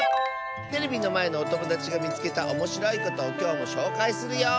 テレビのまえのおともだちがみつけたおもしろいことをきょうもしょうかいするよ！